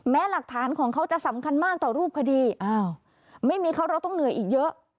หลักฐานของเขาจะสำคัญมากต่อรูปคดีอ้าวไม่มีเขาเราต้องเหนื่อยอีกเยอะ